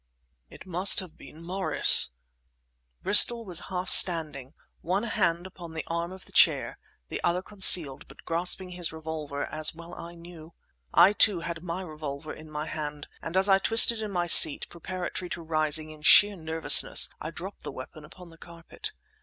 "It must have been Morris!—" Bristol was half standing, one hand upon the arm of the chair, the other concealed, but grasping his revolver as I well knew. I, too, had my revolver in my hand, and as I twisted in my seat, preparatory to rising, in sheer nervousness I dropped the weapon upon the carpet.